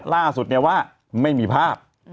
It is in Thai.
ล่าสุดเนี่ยว่าไม่มีภาพ